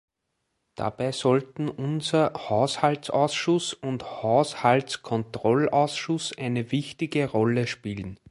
Dabei sollten unser Haushaltsausschuss und Haushaltskontrollausschuss eine wichtige Rolle spielen.